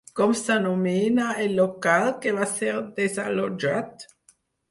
Com s'anomena el local que va ser desallotjat?